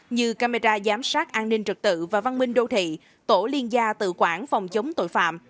như camera giám sát an ninh trật tự và văn minh đô thị tổ liên gia tự quản phòng chống tội phạm